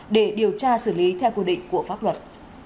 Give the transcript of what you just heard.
để điều tra xử lý theo quy định của pháp luật